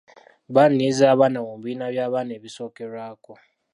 Baaniriza abaana mu bibiina by'abaana ebisookerwako.